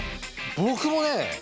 僕もね